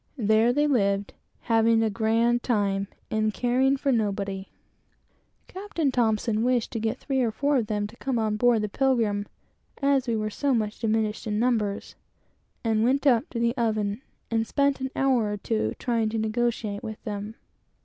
There they lived, having a grand time, and caring for nobody. Captain T was anxious to get three or four of them to come on board the Pilgrim, as we were so much diminished in numbers; and went up to the oven and spent an hour or two trying to negotiate with them.